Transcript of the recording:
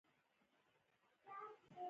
ایټالویان تر جرمنیانو ډېر خطرناک و.